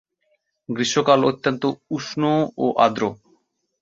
গ্রীষ্মকাল অত্যন্ত উষ্ণ ও আর্দ্র।